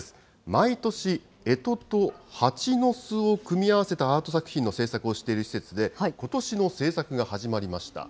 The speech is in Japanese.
毎年、えとと蜂の巣を組み合わせたアート作品の制作をしている施設で、ことしの制作が始まりました。